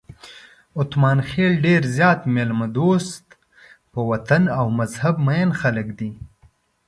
اتمانخېل ډېر زیات میلمه دوست، په وطن او مذهب مېین خلک دي.